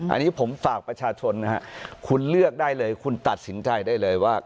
อันนี้ผมฝากประชาชนนะฮะคุณเลือกได้เลยคุณตัดสินใจได้เลยว่า